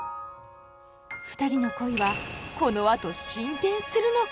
ふたりの恋はこのあと進展するのか。